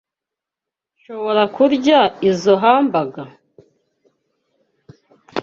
Nshobora kurya izoi hamburger?